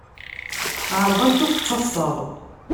Ԑreḍ amek ur tettaḍsaḍ.